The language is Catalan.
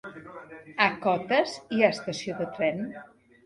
A Cotes hi ha estació de tren?